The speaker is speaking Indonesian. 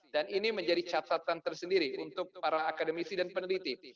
dan ini menjadi catatan tersendiri untuk para akademisi dan peneliti